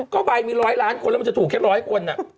ก็ใบมี๑๐๐ล้านคนแล้วมันจะถูกแค่๑๐๐คน